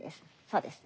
そうです。